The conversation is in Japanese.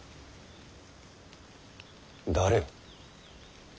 誰を？